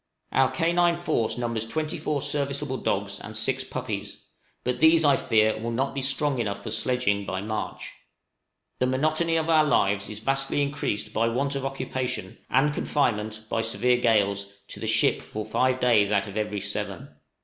Our canine force numbers twenty four serviceable dogs and six puppies; but these, I fear, will not be strong enough for sledging by March. The monotony of our lives is vastly increased by want of occupation, and confinement, by severe gales, to the ship for five days out of every seven.